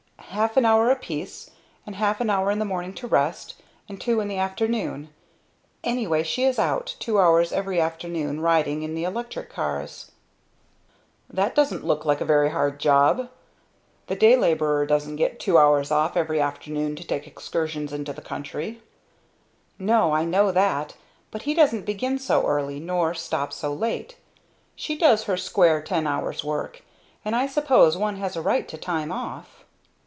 "Half an hour apiece, and half an hour in the morning to rest and two in the afternoon. Anyway she is out, two hours every afternoon, riding in the electric cars!" "That don't look like a very hard job. Her day laborer doesn't get two hours off every afternoon to take excursions into the country!" "No, I know that, but he doesn't begin so early, nor stop so late. She does her square ten hours work, and I suppose one has a right to time off."